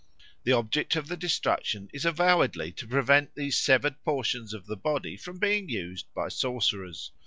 The object of the destruction is avowedly to prevent these severed portions of the body from being used by sorcerers.